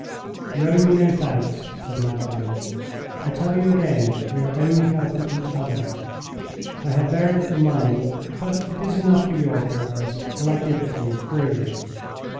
"You owe me no thanks," said Magdalen. "I tell you again, we are only helping each other. I have very little money, but it is enough for your purpose, and I give it you freely.